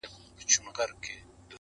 دا د پنځو زرو کلونو کمالونو کیسې!.